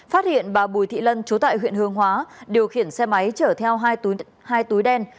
phát hiện bà bùi thị lân chú tại huyện hương hóa điều khiển xe máy chở theo hai túi đen